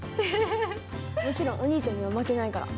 もちろんお兄ちゃんには負けないから。